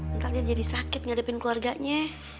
ntar dia jadi sakit ngadepin keluarganya